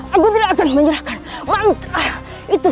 aku tidak akan menyerahkan mantra itu